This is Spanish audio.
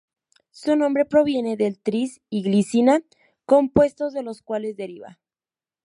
Su nombre proviene del tris y glicina, compuestos de los cuales deriva.